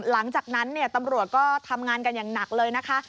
หลังจากนั้นตำรวจก็ทำงานกันอย่างหนักเลยนะคะ